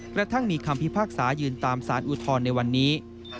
กระทั่งมีคำพิพากษายืนตามสารอุทธรณ์ในวันนี้